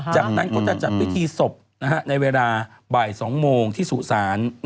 จากนั้นก็จะจัดพิธีศพในเวลาบ่าย๒โมงที่สุสาน